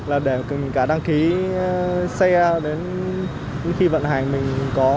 là để cả đăng ký xe đến khi vận hành mình có